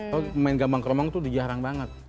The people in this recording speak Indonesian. kalau main gambang keromong tuh dijarang banget